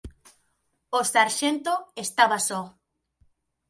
O sarxento estaba só.